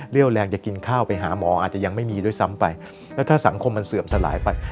แรงจะกินข้าวไปหาหมออาจจะยังไม่มีด้วยซ้ำไปแล้วถ้าสังคมมันเสื่อมสลายไป